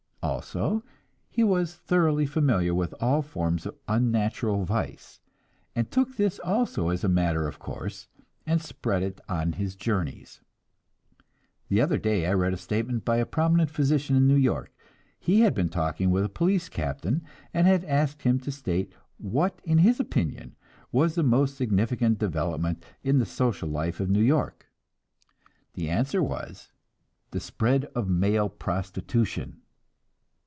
Also he was thoroughly familiar with all forms of unnatural vice, and took this also as a matter of course, and spread it on his journeys. The other day I read a statement by a prominent physician in New York; he had been talking with a police captain, and had asked him to state what in his opinion was the most significant development in the social life of New York. The answer was, "The spread of male prostitution."